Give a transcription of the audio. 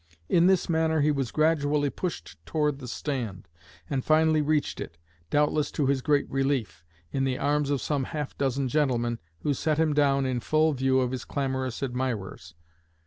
In this manner he was gradually pushed toward the stand, and finally reached it, doubtless to his great relief, 'in the arms of some half dozen gentlemen,' who set him down in full view of his clamorous admirers.